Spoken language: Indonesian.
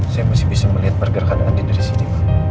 saya masih bisa melihat pergerakan anda dari sini